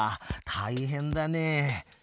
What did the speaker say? たいへんだね。